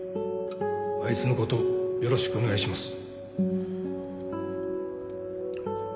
あいつのことよろしくお願いします